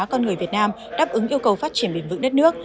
con người việt nam đáp ứng yêu cầu phát triển bền vững đất nước